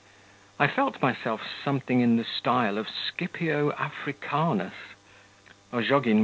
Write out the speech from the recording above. I felt myself something in the style of Scipio Africanus.